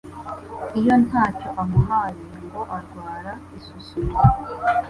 iyo ntacyo amuhaye ngo arwara isusumira